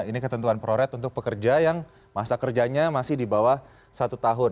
ini ketentuan proret untuk pekerja yang masa kerjanya masih di bawah satu tahun